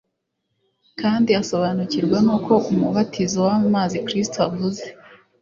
kandi asobanukirwa nuko Umubatizo w'amazi Kristo avuze,